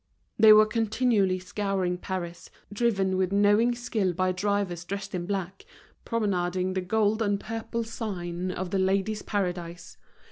They were continually scouring Paris, driven with knowing skill by drivers dressed in black, promenading the gold and purple sign of The Ladies' Paradise.